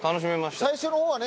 最初の方はね